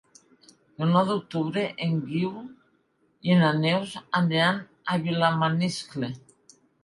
El nou d'octubre en Guiu i na Neus aniran a Vilamaniscle.